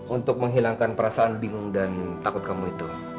untuk menghilangkan perasaan bingung dan takut kamu itu